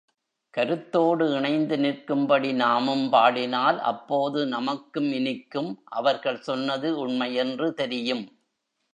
கருத்தோடு இணைந்து நிற்கும்படி நாமும் பாடினால் அப்போது நமக்கும் இனிக்கும் அவர்கள் சொன்னது உண்மையென்று தெரியும்.